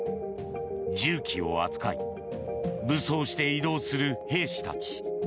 銃器を扱い武装して移動する兵士たち。